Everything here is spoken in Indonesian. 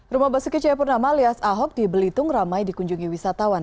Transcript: rumah basuh kecewa purnama alias ahok di belitung ramai dikunjungi wisatawan